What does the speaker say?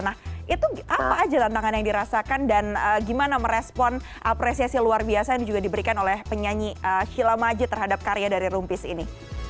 nah itu apa aja tantangan yang dirasakan dan gimana merespon apresiasi luar biasa yang juga diberikan oleh penyanyi shila majid terhadap karya dari rumpis ini